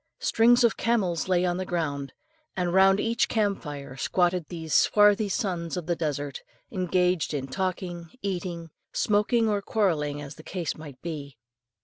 Strings of camels lay on the ground; and round each camp fire squatted these swarthy sons of the desert, engaged in talking, eating, smoking, or quarrelling, as the case might be.